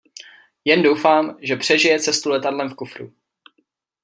Jen doufám, že přežije cestu letadlem v kufru.